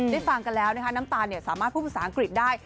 ฟังกันแล้วนะคะน้ำตาลสามารถพูดภาษาอังกฤษได้